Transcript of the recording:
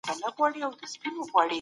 په حقيقت کې زاړه تمدنونه مړه شوي دي.